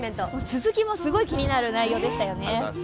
続きもすごく気になる内容でしたよね。